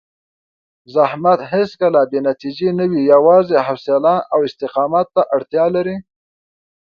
زحمت هېڅکله بې نتیجې نه وي، یوازې حوصله او استقامت ته اړتیا لري.